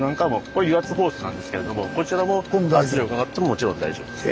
これ油圧ホースなんですけれどもこちらも圧力かかってももちろん大丈夫です。